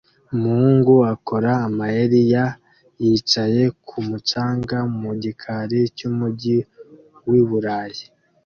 Umuhungu akora amayeri ya yicaye kumu canga mu gikari cyumujyi wiburayi